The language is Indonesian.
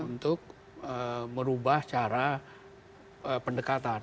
untuk merubah cara pendekatan